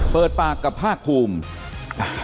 เปิดปากกับภาคภูมิ